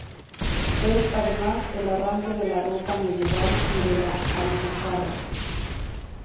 Es, además, el arranque de la Ruta Medieval de la Alpujarra.